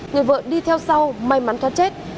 người vợ đi theo sau may mắn thoát chết